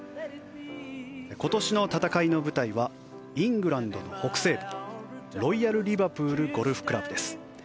今年の戦いの舞台はイングランドの北西部ロイヤルリバプールゴルフクラブです。